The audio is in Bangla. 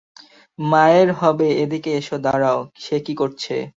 মায়ের, হবে - এদিকে এসো -দাঁড়াও, সে কি করছে?